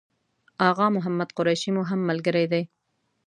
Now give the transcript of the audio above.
آغا محمد قریشي مو هم ملګری دی.